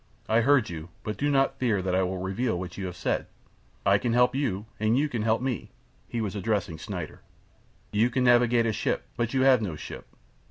"I heard you; but do not fear that I will reveal what you have said. I can help you, and you can help me." He was addressing Schneider. "You can navigate a ship, but you have no ship.